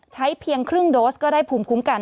เพียงครึ่งโดสก็ได้ภูมิคุ้มกัน